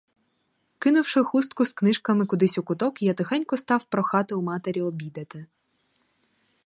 Кинувши хустку з книжками кудись у куток, я тихенько став прохати у матері обідати.